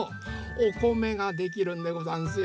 おこめができるんでござんすよ。